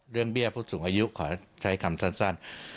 เรื่องเบี้ยพวกสูงอายุขอใช้คำสั้น